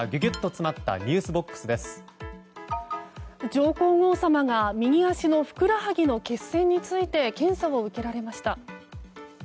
上皇后さまが右足のふくらはぎの血栓について検査を受けられました。